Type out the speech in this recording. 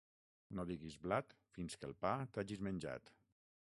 No diguis blat fins que el pa t'hagis menjat.